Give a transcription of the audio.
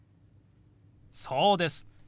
そうです。